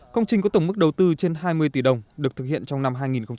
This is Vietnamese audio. công trình có tổng mức đầu tư trên hai mươi tỷ đồng được thực hiện trong năm hai nghìn một mươi chín